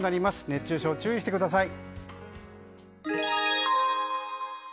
熱中症、注意してください。